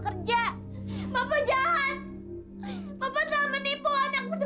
bapak jahat bapak telah menipu anak sebaik suci